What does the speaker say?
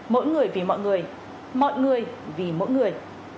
mỗi người vì mọi người mọi người vì mỗi người